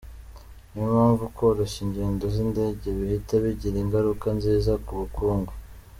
Niyo mpamvu koroshya ingendo z’indege bihita bigira ingaruka nziza ku bukungu.